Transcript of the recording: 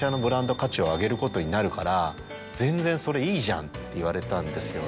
「ことになるから全然それいいじゃん」って言われたんですよね。